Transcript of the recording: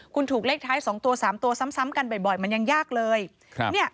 คุณถูกเลขท้าย๒ตัว๓ตัวซ้ำกันบ่อยมันยังยากเลยครับ